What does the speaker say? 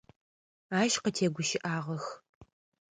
Ащ къытегущыӏагъэх.